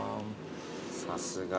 さすが。